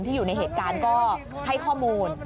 อยู่ในเหตุการณ์ก็ให้ข้อมูล